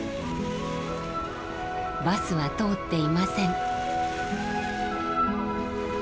バスは通っていません。